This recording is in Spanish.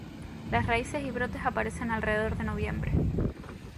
Las raíces y brotes aparecen alrededor de noviembre.